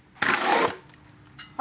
あ。